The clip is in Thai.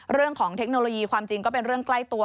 เทคโนโลยีความจริงก็เป็นเรื่องใกล้ตัว